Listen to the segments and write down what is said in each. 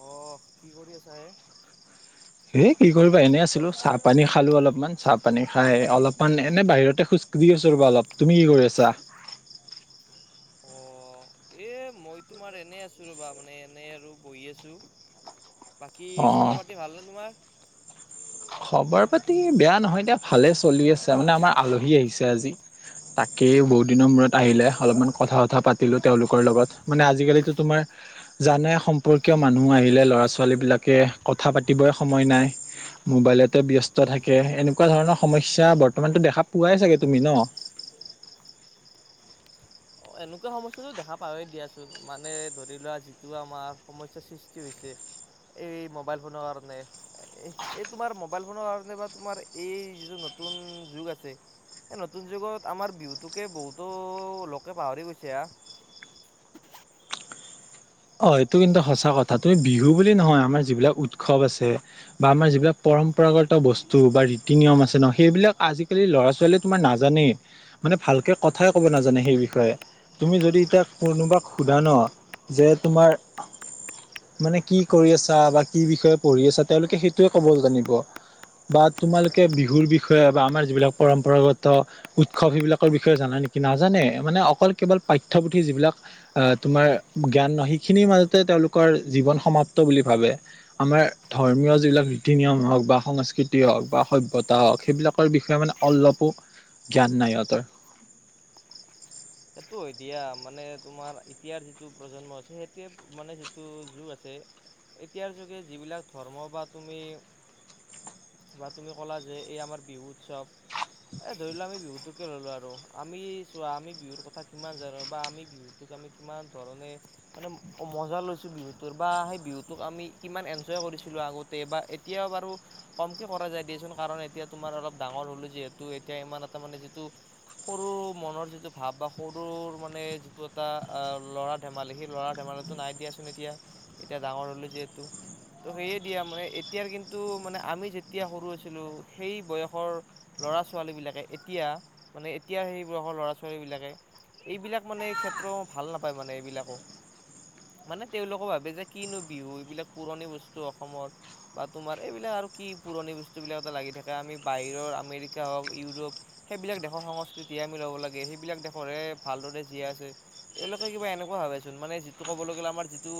কহ কি কৰি আছা হে, হেই কি কৰিবা এনে আছিলো চাহ পানী খালো অলপমান চাহ পানী খাই অলপমান এনে বাহিৰতে খোজ দি আছোঁ ৰ'বা অলপ, তুমি কি কৰি আছা? অ'। এ মই তোমাৰ এনে আছোঁ ৰ'বা মানে এনে আৰু বহি আছোঁ। বাকী অ খবৰ পাতি ভালনে তোমাৰ? খবৰ পাতি বেয়া নহয়, এতিয়া ভালে চলি আছে মানে আমাৰ আলহী আহিছে আজি। তাকেই বহুত দিনৰ মূৰত আহিলে অলপমান কথা বথা পাতিলো তেওঁলোকৰ লগত, মানে আজিকালিটো তোমাৰ জানে সম্পৰ্কীয় মানুহ আহিলে ল'ৰা-ছোৱালীবিলাকে কথা পাতিবই সময় নাই। মোবাইলতে ব্যস্ত থাকে এনেকুৱা ধৰণৰ সমস্যা বৰ্তমানটো দেখা পোৱাই চাগে তুমি ন'। [inaudible] অ', এনেকুৱা সমস্যাটো দেখা পাওঁৱে দিয়াচোন মানে ধৰি লোৱা যিটো আমাৰ সমস্যাৰ সৃষ্টি হৈছে। এই মোবাইল ফ'নৰ কাৰণে এই তোমাৰ মোবাইল ফোনৰ কাৰণে বা তোমাৰ এই যিটো নতুন যুগ আছে। এই নতুন যুগত আমাৰ বিহুটোকে বহুটো লগ কে পাহৰি গৈছে হা। অ', এইটো কিন্তু সঁচা কথা, তুমি বিহু বুলি নহয় আমাৰ যিবিলাক উৎসৱ আছে বা আমাৰ যিবিলাক প পৰম্পৰাগত বস্তু বা ৰীতি নিয়ম আছে ন' সেইবিলাক আজিকালি ল'ৰা-ছোৱালীয়ে তোমাৰ নাজানেই, মানে ভালকে কথাই ক'ব নাজানে সেই বিষয়ে, তুমি যদি এতিয়া কোনোবাক সোধা ন' যে তোমাৰ। মানে কি কৰি আছা বা কি বিষয়ে পঢ়ি আছা তেওঁলোকে সেইটোৱে ক'ব জানিব। বা তোমালোকে বিহুৰ বিষয়ে বা আমাৰ যিবিলাক পৰম্পৰাগত উৎসৱ সেইবিলাকৰ বিষয়ে জাননে? নেকি নাজানে মানে অকল কেৱল যিবিলাক অ', তোমাৰ জ্ঞান শি খিনিৰ মাজতে তেওঁলোকৰ জীৱন সমাপ্ত বুলি ভাবে আমাৰ ধৰ্মীয় যিবিলাক ৰীতি নিয়ম হওঁক। বা সংস্কৃতি হওঁক বা সভ্যতা হওঁক সেইবিলাকৰ বিষয়ে মানে অলপো জ্ঞান নাই সিহঁতৰ। সেইটো হয় দিয়া, মানে তোমাৰ এতিয়াৰ যিটো প্ৰজন্ম আছে সেইটোৱে মানে যিটো যুগ আছে। এতিয়াৰ যোগে যিবিলাক ধৰ্ম বা তুমি বা তুমি ক'লা যে এই আমাৰ বিহু উৎসৱ। এ ধৰিলোৱা আমি বিহুতোকে ললো আৰু আমি চোৱা আমি বিহুৰ কথ কথা কিমান জানো বা আমি বিহুটোক আমি কিমান ধৰণে মানে মজা লৈছো বিহুতৰ বা বিহুতোক আমি কিমান এঞ্জয় কৰিছিলো আগতে বা এতিয়াও বাৰু কমকে কৰা যায় দিয়চোন কাৰণ এতিয়া তোমাৰ অলপ ডাঙৰ হ'লো যিহেতু এতিয়া ইমান এটা মানে যিটো সৰু মনৰ যিটো ভাব বা সৰুৰ মানে যিটো এটা ল'ৰা ধেমালি সেই ল'ৰা ধেমালিটো নাই দিয়াচোন এতিয়া। ডাঙৰ হ'লো যিহেতু। ত' সেয়ে দিয়া মানে এতিয়াৰ কিন্তু মানে আমি যেতিয়া সৰু আছিলোঁ সেই বয়সৰ ল'ৰা-ছোৱালীবিলাকে এতিয়া মানে এতিয়াাৰ সেই বয়সৰ ল'ৰা-ছোৱালীবিলাকে। এইবিলাক মানে এই ক্ষেত্ৰ ভাল নাপায় মানে এইবিলাকো। মানে তেওঁলোকে ভাবে যে কিনো বিহু এইবিলাক পুৰণি বস্তু অসমৰ বা তোমাৰ এইবিলাক আৰু কি পুৰণি বস্তুবিলাক এটা লাগি থাকে আমি বাহিৰৰ আমেৰিকা হওঁক ইউৰোপ সেইবিলাক দেশৰ সংস্কৃতি তি আমি ল'ব লাগে সেইবিলাক দেখ [inaudible] ভালদৰে জীয়াই আছে, তেওঁলোকে কিবা এনেকুৱা ভাবেচোন মানে যিটো ক'বলৈ গ'লে আমাৰ যিটো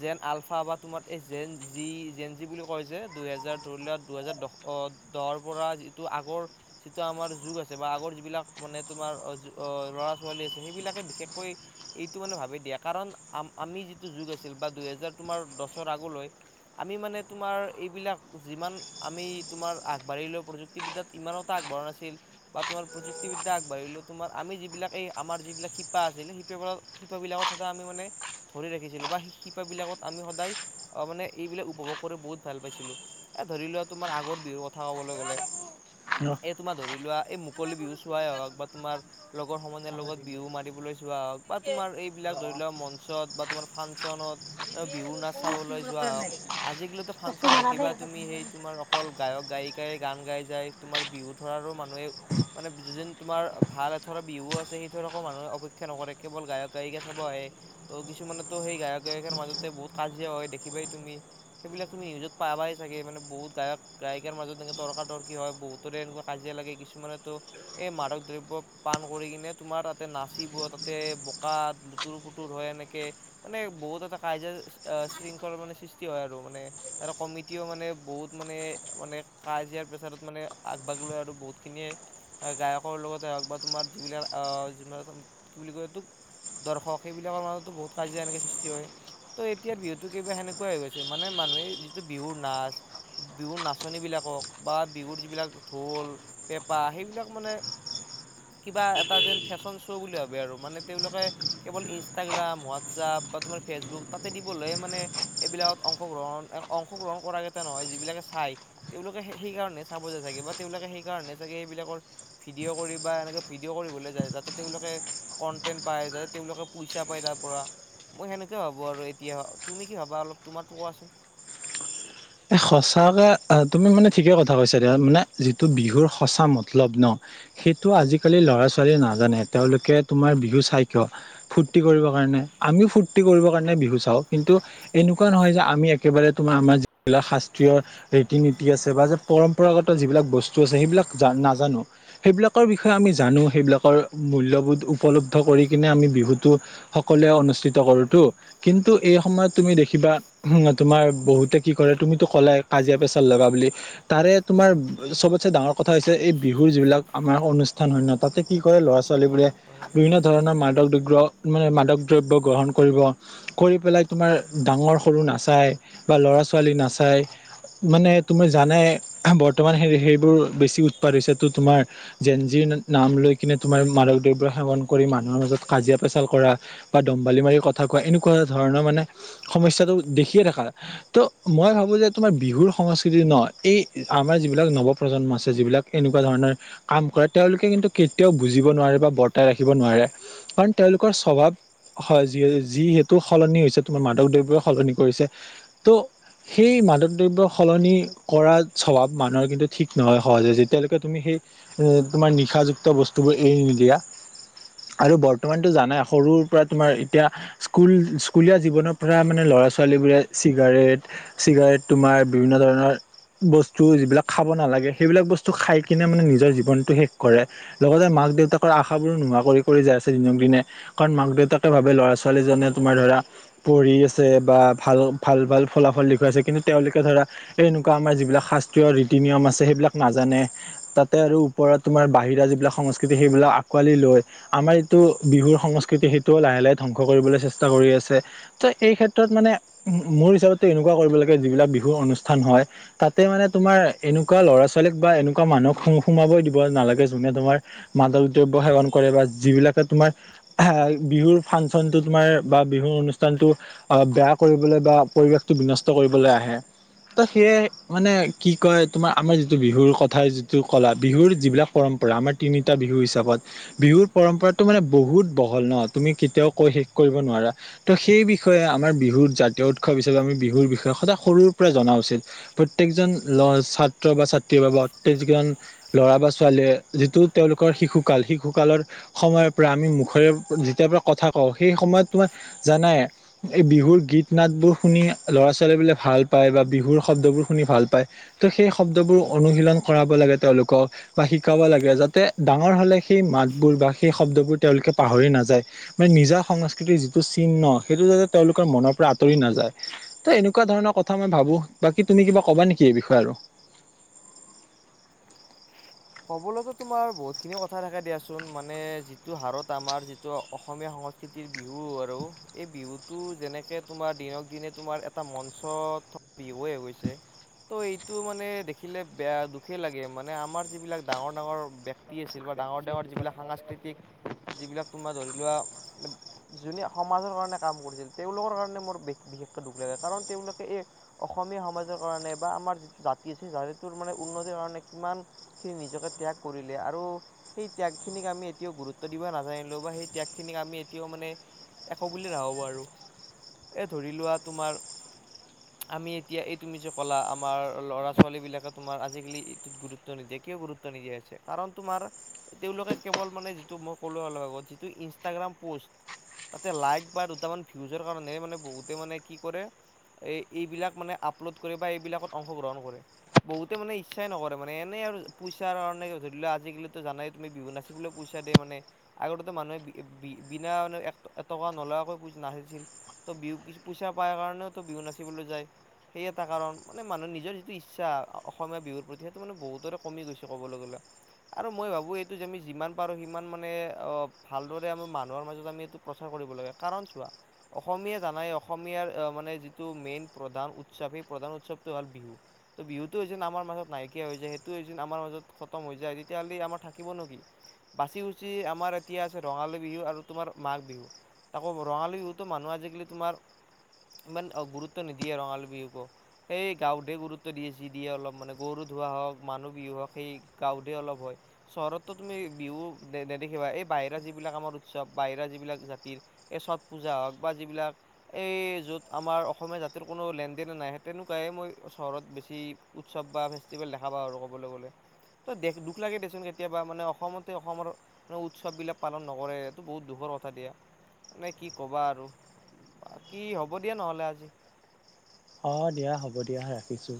জেন আলফা ফা বা তোমাৰ এই জে ন জি বুলি কয় যে দুহেজাৰ ধৰি লোৱা দুহেজাৰ দ-দহৰ পৰা পৰা যিটো আগৰ যিটো আমাৰ যুগ আছে বা আগৰ যিবিলাক মানে তোমাৰ অ', অ' ল'ৰা-ছোৱালী আছে সেইবিলাকে বিশেষকৈ এইটো মানে ভাবেই দিয়ে, কাৰণ আ আমি যিটো যুগ আছিল বা দুই হাজাৰ দশৰ আগলৈ আমি মানে তোমাৰ এইবিলাক যিমান আমি তোমাৰ আগবাঢ়ি লোৱা প্ৰযুক্তি বিদ্যাত ইমানটা আ বঢ়া নাছিল বা তোমোৰ প্ৰযুক্তিবিদ্যা আগবাঢ়িলেও তোমাৰ আমি যিবিলাক এই আমাৰ যিবিলাক শিপা আছিল সেই শিপাবিলত, শিপাবিলাকত সদদ আমি মানে ধৰি ৰাখিছিলোঁ বা সেই শিপাবিলাকত আমি সদায় অ', মানে এইবিলাক উপভোগ কৰি বহুত ভাল পাইছিলোঁ এ ধৰি লোৱা তোমাৰ আগৰ বিহুৰ কথা ক'বলৈ গ'লে এই তোমাৰ ধৰি লোৱা এই মুকলি বিহু চোৱাই হওঁক বা তোমাৰ লগত লগৰ সমনীয়াৰ লগত বিহু মাৰিবলৈ যোৱা হওঁক বা তোমাৰ এইবিলাক ধৰি লোৱাক মঞ্চত বা তোমাৰ ফাংচনত এও বিহু নাচ চাবলৈ যোৱা হওঁক আজিকালিটো ফাংচন দেখিবা তুমি সেই তোমাৰ কল গায়ক গায়িকায়ে গান গাই যায়, তোমাৰ বিহু ঠৰাৰো মানুহে মানে যিদিন তোমাৰ ভাল ধৰা বিহুও আছে সেই টোত আকৌ মানুহে অপেক্ষা নকৰে কেৱল গায়ক গায়িকা চাব আহে ত' কিছুমানতো সেই গায়ক। [inaudible] মাজতে বহুত কাজিয়া হয় দেখিবাই তুমি সেইবিলাক তুমি নিউজত পাবাই চাগে মানে বহুত গায়ক। গায়িকাৰ মাজত এনেকে তৰ্কাতৰ্কি হয় বহুতৰে এনেকুৱ কাজিয়া লাগে। কিছুমানে তো এই মাদক দ্ৰব্য। পাণ কৰি কিনে তোমাৰ তাতে নাচিব তাতে বোকাত লুতুৰ পুতুৰ হয় এনেকে মানে, বহুত এটা কাইজা শৃংখল মানে সৃষ্টি হয় আৰু মানে এটা কমিটিও মানে বহুত মানে। মানে কাজিয়াৰ প্ৰেছাৰত মানে আগভাগ লয়, আৰু বহুত খিনিয়ে গায়কৰ লগতে আগভাগ। তোমাৰ যিবিলাক আহ কি বুলি কয় এই টোক। দৰ্শক সেইবিলাকৰ মাজতো বহুত কাজিয়া এনেকে সৃষ্টি হয়। ত' এতিয়া বিহুতো কিবা সেনেকুৱাই হৈ গৈছে মানে মানুহে যিটো বিহুৰ নাচ বিহুৰ নাচনী বিলাক, হওক বা বিহুৰ যিবিলাক ঢোল পেঁপা সেইবিলাক মানে। [inaudible] কিবা এটা যেন ফেশ্বন শ্ব' বুলি ভাবে আৰু মানে তেওঁলোকে কেৱল ইনষ্টাগ্ৰাম হোৱাটছআপ। বা তোমাৰ ফেচবুক তাতে দিবলৈে মানে এইবিলাকত অংশগ্ৰহণ অংশগ্ৰহণ কৰাকেইটা নহয় যিবিলাক, চাই তেওঁলোকে সেইকাৰণে চাব যে চাগে বা তেওঁলোকে সেইকাৰণে চাগে সেইবিলাকৰ ভিডিঅ' কৰি। বা এনেকে ভিডিঅ' কৰিবলৈ যায় যাতে তেওঁলোকে কন্টেন্ট পায় যাতে তেওঁলোকে পইচা পায় তাৰ পৰা। মই সেনেকে ভাবো আৰু এতিয়া তুমি কি ভাবা অলপ তোমাৰ টো কোৱাচোন। [inaudible] এ সঁচাকে তুমি মানে ঠিকে কথা কৈছা দিয়া মানে যিটো বিহুৰ সঁচা মতলব ন' সেইটো আজিকালি ল'ৰা ছোৱালীয়ে নাজানে তেওঁলোকে তোমাৰ বিহু চাই কিয় ফূৰ্তি কৰিব কাৰণে আমিও ফূৰ্তি কৰিব কাৰণে বিহু চাও কিন্তু এনেকুৱা নহয় যে আমি একেবাৰে তোমাৰ আমাৰ যি যিববিলাক শাস্ত্ৰীয় ৰীতি নীতি আছে বা যে পৰম্পৰাগত যিবিলাক বস্তু আছে সেইবিলাক জা নাজানো। সেইবিলাকৰ বিষয়ে আমি জানো সেইবিলাকৰ মূল্যবোধ উপলব্ধ কৰি কিনে আমি বিহুতটো। সকলোৱে অনুষ্ঠিত কৰোতো কিন্তু এই সময়ত তুমি দেখিবা তোমাৰ বহুতে। কি কৰে, তুমিতো কলাই কাজিয়া পেচাল লগা বুলি। তাৰে তোমাৰ চবতছে ডাঙৰ কথা হৈছে এই বিহু যিবিলাক আমাৰ অনুষ্ঠান হয় ন' তাতে কি কৰে ল'ৰা ছোৱালী বোৰে কোৱাচোন। বিভিন্ন ধৰণৰ মাদক দুৰ্গ্ৰহ মানে মাদক দ্ৰব্য গ্ৰহণ কৰিব। কৰিপেলাই তোমাৰ ডাঙৰ সৰু নাচায় বা লৰা ছো- ৱালী নাচায়। মানে তুমি জানাই বৰ্তমান সেই, সেইবোৰ বেছি উৎপাদ হৈছে তো তোমাৰ জেনজিৰ নাম লৈ কিনে তোমাৰ মাদক দ্ৰব্য সেৱন কৰি মানুহৰ মাজত কাজিয়া পেচাল কৰা বা দম্বালি মাৰি কথা কোৱা এনেকুৱা ধৰণৰ মানে সমস্যাটো দেখিয়ে থাকা ত' মই ভাবো যে তোমাৰ বিহুৰ সংস্কৃতি ন' এই আমাৰ যিবিলাক নৱপ্ৰজন্ম আছে যিবিলাক এনে- কুৱা ধৰণৰ কাম কৰে তেওঁলোকে কিন্তু কেতিয়াও বুজিব নোৱাৰে বা বৰ্তাই ৰাখিব নোৱাৰে। কাৰণ তেওঁলোকৰ স্বভাৱ হয়। যিয়ে, যিহেতু সলনি হৈছে তোমাৰ মাদক দ্ৰব্যই সলনি কৰিছে ত' সেই মাদক দ্ৰব্য সলনি কৰা স্বভাৱ মানুহৰ কিন্তু ঠিক নহয় সহজে যেতিয়ালৈকে তুমি সেই- এ তোমাৰ নিশাযুক্ত বস্তুবোৰ এৰি নিদিয়া। আৰু বৰ্তমানতো জানাই সৰুৰ পৰা তোমাৰ এতিয়া স্কুল, স্কুলীয়া জীৱনৰ পৰা মানে ল- 'ৰা ছোৱালীবোৰে চিগাৰেট, চিগাৰেট তোমাৰ বিভিন্ন ধৰণৰ বস্তু যিবিলাক খাব নালাগে সেইবিলাক বস্তু খাই কিনে মানে নিজৰ জীৱনতটো শেষ কৰে লগতে মা- ক দেউতাকৰ আশাবোৰো নোহোৱা কৰি কৰি যাই আছে দিনক দিনে কাৰণ মাক দেউতাকে ভাবে ল'ৰা ছোৱালীজনে তোমাৰ ধৰা পঢ়ি আছে বা ভাল ভাল ভাল ফলাফল দেখুৱাইছে কিন্তু তেওঁলোকে ধৰা এই এনেকুৱা আমাৰ যিবিলাক শাস্ত্ৰীয় ৰীতি নিয়ম আছে সেইবিলাক নাজা- নে তাতে আৰু ওপৰত তোমাৰ বাহিৰা যিবিলাক সংস্কৃতি সেইবিলাক আঁকোৱালি লৈ আমাৰ এইটো বিহুৰ সংস্কৃতি সেইটোও লাহে লাহে ধ্বংস কৰিবলৈ চেষ্টা কৰি আছে ত' এই ক্ষেত্ৰত মানে মো, মোৰ হিচাপতে এনেকুৱা কৰিব লাগে যিবিলাক বিহুৰ অনুষ্ঠান হয় তাতে মানে তোমাৰ এনেকুৱা ল'ৰা ছোৱা- লীক বা এনেকুৱা মানুহক সো, সোমাবই দিব নালাগে যোনে তোমাৰ মাদক দ্ৰব্য সেৱন কৰে বা যিবিলাক তোমাৰ বিহুৰ ফাংচনটো তোমাৰ বা বিহুৰ অনুষ্ঠানতটো অ' বেয়া কৰিবলৈ বা পৰিৱেশটো বিনষ্ট কৰিবলৈ আহে। ত' সেয়ে মানে কি কয় তোমাৰ আমাৰ যিটো বিহুৰ কথাৰ যিটো কলা বিহুৰ যিবিলাক পৰম- পৰা, আমাৰ তিনিটা বিহু হিচাপত বিহুৰ পৰম্পৰাটো মানে বহুত বহল ন' তুমি কেতিয়াও কয় শেষ- কৰিব নোৱাৰা ত' সেই বিষয়ে আমাৰ বিহু জাতীয় উৎসৱ হিচাপে আমি বিহুৰ বিষয়ে সদায় সৰুৰ পৰাই জনা উচিত প্ৰত্যেকজন ল' ছাত্ৰ বা ছা- [unintelligible] ল'ৰা বা ছোৱালীয়ে যিটো তেওঁলোকৰ শিশুকাল, শিশুকালৰ সম- য়ৰ পৰা আমি মুখেৰে যেতিয়াৰ পৰা কথা কওঁ সেই সময়ত তোমাৰ জানাই এই বিহুৰ গীত নাটবোৰ শুনি ল'ৰা ছোৱালী বোলে ভাল পায় বা বিহুৰ শব্দবোৰ শুনি ভাল পায় তো' সেই শব্দবোৰ অনুশীলন কৰাব লাগে তেওঁলোকক বা শিকাব লাগে, যাতে ডাঙৰ হলে সেই মাতবোৰ বা সেই শব্দবোৰ তেওঁলোকে পাহৰি নাযায় মানে নিজা সংস্কৃতিৰ যিটো চিহ্ন সেইটো যাতে তেওঁলোকৰ মনৰ পৰা আঁ- তৰি নাযায়। ত' এনেকুৱা ধৰণৰ কথা মই ভাবো বাকী তুমি কিবা কবা নেকি এই বিষয়ে আৰু? [inaudible] কবলৈতো তোমাৰ বহুত খিনি কথা থাকে দিয়াচোন মানে যিটো হাৰত আমাৰ যিটো অসমীয়া স- ংস্কৃতিৰ বিহু আৰু এই বিহুটো যেনেকে তোমাৰ দিনক দিনে তোমাৰ এটা মঞ্চত থ বিহুয়ে হৈ গৈছে ত' এইটো মানে দেখিলে বেয়া, দুখে লাগে মানে আমাৰ যিবিলাক ডাঙৰ-ডাঙৰ ব্যক্তি আছিল বা ডাঙৰ-ডাঙৰ যিবিলাক সাংস্কৃতিক যিবিলাক তোমাৰ ধৰি লোৱা যোনে সমাজৰ কাৰণে কাম কৰিছিল তেওঁলোকৰ কাৰণে মোৰ বিশষ দুখ লাগে কাৰণ তেওঁলোকে এই অসমীয়া সমাজৰ কাৰণে বা আমাৰ যিটো জাতি আছে জাতিটোৰ মানে উন- নতিৰ কাৰণে কিমান খিনি নিজকে ত্যাগ কৰিলে আৰু সেই ত্যাগ খিনিক আমি এতিয়াও গুৰুত্ব দিব নাজানিলো বা সেই ত্যাগ সেইখিনিক আমি এতিয়াও মানে একো বুলি নাভাবো আৰু এ' ধৰি লোৱা তোমাৰ আমি এতিয়া এই তুমি যে ক'লা আমাৰ ল'ৰা- ছোৱালী বিলাকে তোমাৰ আজিকালি এইটোত গুৰু- ত্ব নিদিয়ে, কিয় গুৰুত্ব নিদিয়া হৈছে? কাৰণ তোমাৰ, তেওঁলোকে কেৱল, মানে যিটো মই কলো অলপ আগত, যিটো ইনষ্টাগ্ৰাম পোষ্ট তাতে লাইক বা দুটামান ভিউজৰ কাৰণে, মানে বহুতে, মানে, কি কৰে এই, এইবিলাক মানে আপলোড কৰে বা এইবিলাকত অংশগ্ৰহণ কৰে। বহুতে মানে ইচ্ছাই নকৰে মানে, এনে আৰু পইচাৰ কাৰণে, ধৰি লোৱা, আজিকালিটো জানাই, তুমি বিহু নাচিবলৈও পইচা দে। মানে, আগতে তো মানুহে বি-বিনা এক-এটকা নলোৱাকৈ নাচিছিল ত প-পইচা পাই কাৰণে বিহু নাচিবলৈ যায়, সেই এটা কাৰণ। মানে মানুহে নিজৰ যিটো ইচ্ছা অসমীয়া বিহুৰ প্ৰতি মানে বহুতৰে কমি গৈছে ক'বলৈ গ'লে আৰু মই ভাবো, এইটো যে আমি যিমান পাৰো সিমান মানে, অ ভালদৰে আমি মানুহৰ মাজত আমি এইটো প্ৰচাৰ কৰো [unintelligible] কাৰণ চোৱা অসমীয়া জানাই অসমীয়াৰ মানে, যিটো মেইন প্ৰধান উৎসৱ, সেই প্ৰধান উৎসৱটো হ'ল বিহু। ত বিহুটো হৈছে ন আমাৰ মাজত নাই। [unintelligible] হৈ যায় সেইটো আমাৰ মাজত খতম হৈ যায়, তেতিয়াহ'লে আমাৰ থাকিব নো কি? বাচি - উচি আমাৰ এতিয়া আছে ৰঙালী বিহু আৰু তোমাৰ মাঘ বিহু। তাকৌ ৰঙালী বিহুতো মানুহে আজিকালি তোমাৰ ইমান গুৰুত্ব নিদিয়ে ৰঙালী বিহুকো। এই গাঁৱতে গুৰুত্ব দিয়ে যি দিয়ে অলপ মানে, গৰুত ধোৱা হওক মানুহ বিহু হওক সেই গাঁৱতেে অলপ হয় চহৰতো তুমি বিহু নে - নেদেখিবা এই বাহিৰ যিবিলাক আমাৰ উৎসৱ, বাহিৰা যিবিলাক জাতিৰ চথ পূজা হওক বা যিবিলাক এই য'ত আমাৰ অসমীয়া জাতিৰ কোনো লেনদেনে নাই, তেনেকুৱাহে মই চহৰত বেছি উৎসৱ বা [unintelligible] দেখা পাওঁ আৰু ক'বলৈ গ'লে ত দুখ লাগে দেচোন কেতিয়াবা মানে অসমতে অসমৰ উৎসৱ বিলাক পালন নকৰে সেটো বহুত দুখৰ কথা দিয়া মানে, কি ক'বা আৰু বাকী হ'ব দিয়া নহলে আজি অঁ দিয়া হ'ব দিয়া ৰাখিছোঁ